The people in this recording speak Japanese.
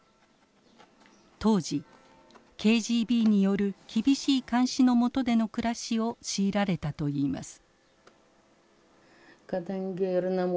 当時ＫＧＢによる厳しい監視の下での暮らしを強いられたといいます。